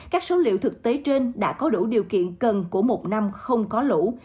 các số liệu thực tế trên đã có đủ điều kiện cần của một năm không có lũ